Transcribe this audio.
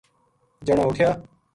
جنا اُٹھیا